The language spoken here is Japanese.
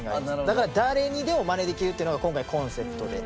だから誰にでもマネできるっていうのが今回のコンセプトで。